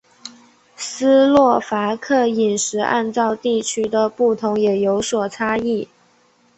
斯洛伐克饮食按照地区的不同也有所差异。